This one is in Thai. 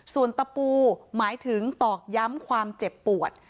ส่วนตะปูหมายถึงตอกย้ำความเจ็บปวด